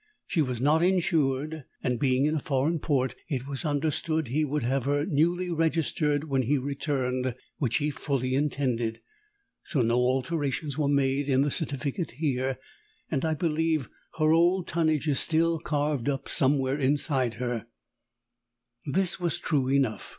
She was not insured, and, being in a foreign port, it was understood he would have her newly registered when he returned, which he fully intended. So no alterations were made in the certificate here, and, I believe, her old tonnage is still carved up somewhere inside her." This was true enough.